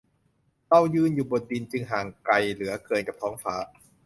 "เรายืนอยู่บนดิน จึงห่างไกลเหลือเกินกับท้องฟ้า"